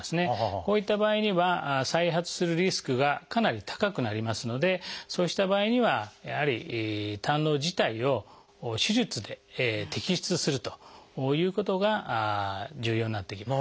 こういった場合には再発するリスクがかなり高くなりますのでそうした場合にはやはり胆のう自体を手術で摘出するということが重要になってきます。